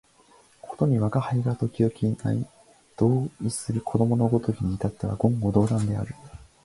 ことに吾輩が時々同衾する子供のごときに至っては言語道断である